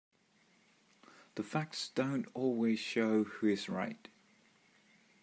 The facts don't always show who is right.